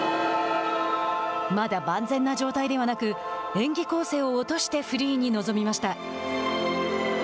まだ万全な状態ではなく演技構成を落としてフリーに臨みました。